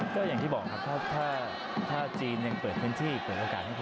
ก็อย่างที่บอกครับถ้าจีนยังเปิดพื้นที่เปิดโอกาสให้เขา